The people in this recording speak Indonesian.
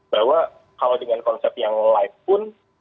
bahwa kalau dengan konsep yang live pun